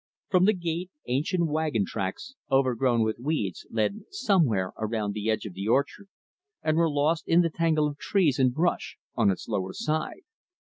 From the gate, ancient wagon tracks, overgrown with weeds, led somewhere around the edge of the orchard and were lost in the tangle of trees and brush on its lower side.